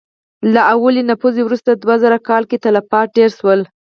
له لومړي نفوذ وروسته دوه زره کاله کې تلفات ډېر شول.